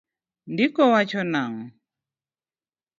Ndiko wacho nang'o?